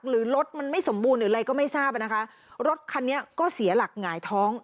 หรือรถมันไม่สมบูรณ์หรืออะไรก็ไม่ทราบอ่ะนะคะรถคันนี้ก็เสียหลักหงายท้อง